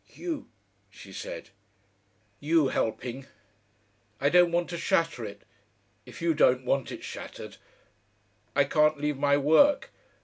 "You," she said. "You helping. I don't want to shatter it if you don't want it shattered. I can't leave my work.